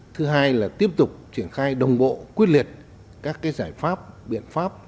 thứ hai là tiếp tục triển khai đồng bộ quyết liệt các giải pháp biện pháp